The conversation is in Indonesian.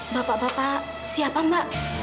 bapak bapak siapa mbak